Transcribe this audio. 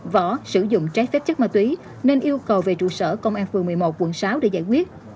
võ sử dụng trái phép chất ma túy nên yêu cầu về trụ sở công an phường một mươi một quận sáu để giải quyết